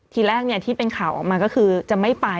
ทีแรกที่เป็นข่าวออกมาก็คือจะไม่ไป